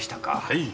はい。